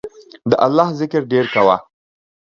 د الله ذکر ډیر کوه